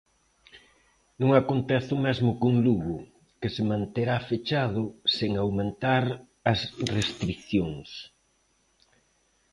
Non acontece o mesmo con Lugo, que se manterá fechado sen aumentar as restricións.